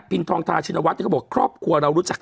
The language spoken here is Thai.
ทองทาชินวัฒน์เขาบอกครอบครัวเรารู้จัก